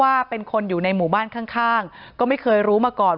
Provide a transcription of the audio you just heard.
ว่าเป็นคนอยู่ในหมู่บ้านข้างก็ไม่เคยรู้มาก่อน